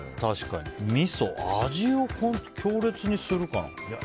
みそ味を強烈にするかな？